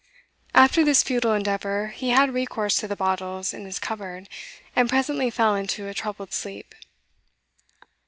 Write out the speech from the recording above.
After this futile endeavour, he had recourse to the bottles in his cupboard, and presently fell into a troubled sleep.